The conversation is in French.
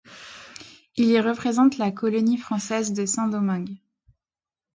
Il y représente la colonie française de Saint-Domingue.